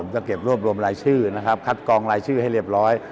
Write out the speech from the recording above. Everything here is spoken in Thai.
ก็เก็บรวบรวมรายชื่อนะครับคัดกองรายชื่อให้เรียบร้อย